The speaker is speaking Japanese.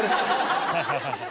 ハハハハハ。